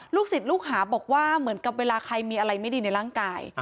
ศิษย์ลูกหาบอกว่าเหมือนกับเวลาใครมีอะไรไม่ดีในร่างกาย